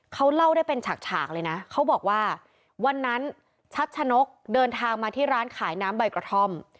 เขาเล่าได้เป็นฉากฉากเลยนะเขาบอกว่าวันนั้นชัดชะนกเดินทางมาที่ร้านขายน้ำใบกระท่อม